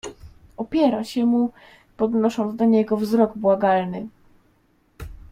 "Opiera się mu, podnosząc do niego wzrok błagalny."